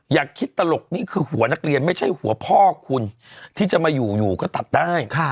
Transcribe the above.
อย่าคิดตลกนี่คือหัวนักเรียนไม่ใช่หัวพ่อคุณที่จะมาอยู่อยู่ก็ตัดได้